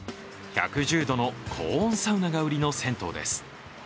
１１０度の高温サウナが売りの銭湯です。